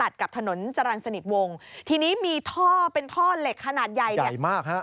กับถนนจรรย์สนิทวงทีนี้มีท่อเป็นท่อเหล็กขนาดใหญ่เลยใหญ่มากฮะ